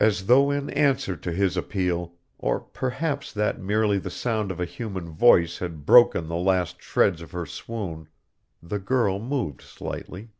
As though in answer to his appeal, or perhaps that merely the sound of a human voice had broken the last shreds of her swoon, the girl moved slightly.